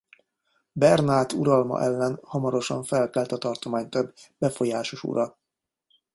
Bernát uralma ellen hamarosan felkelt a tartomány több befolyásos ura.